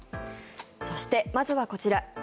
そして、まずはこちら。